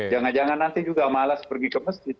jangan jangan nanti juga malas pergi ke masjid